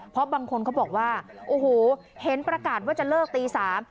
เพราะบางคนเขาบอกว่าโอ้โหเห็นประกาศว่าจะเลิกตีสาม